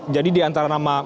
jadi di antara nama